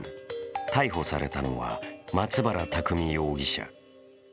逮捕されたのは、松原拓海容疑者。